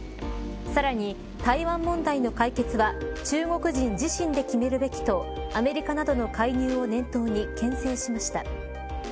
さらに、台湾問題の解決は中国人自身で決めるべきとアメリカなどの介入を念頭にけん制しました。